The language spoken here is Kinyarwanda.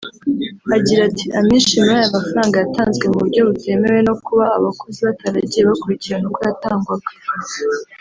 Agira ati “Amenshi muri ayo mafaranga yatanzwe mu buryo butemewe no kuba abakozi bataragiye bakurikirana uko yatangwaga